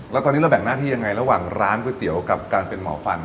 แล้วตอนนี้เราแบ่งหน้าที่ยังไงระหว่างร้านก๋วยเตี๋ยวกับการเป็นหมอฟัน